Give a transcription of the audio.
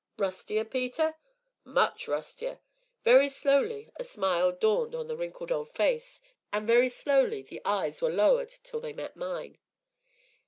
"Rustier, Peter?" "Much rustier!" Very slowly a smile dawned on the wrinkled old face, and very slowly the eyes were lowered till they met mine.